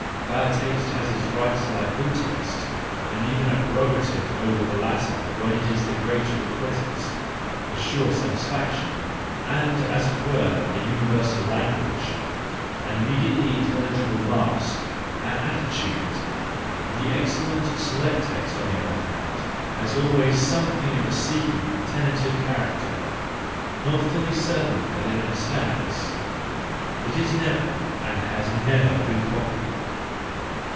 Bad taste has its rights like good taste, and even a prerogative over the latter when it is the great requisite, the sure satisfaction, and as it were a universal language, an immediately intelligible mask and attitude; the excellent, select taste on the other hand has always something of a seeking, tentative character, not fully certain that it understands,—it is never, and has never been popular!